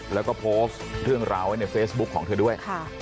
แล้วก็โพสต์เรื่องราวไว้ในเฟซบุ๊คของเธอด้วย